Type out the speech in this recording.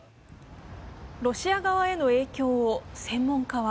ロシア側への影響を専門家は